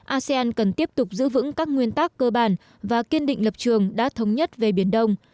asean cần tiếp tục giữ vững các nguyên tắc cơ bản và kiên định lập trường đã thống nhất về biển đông